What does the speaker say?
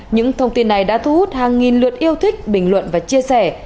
những thông tin này đã thu hút hàng nghìn lượt yêu thích bình luận và chia sẻ